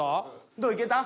どういけた？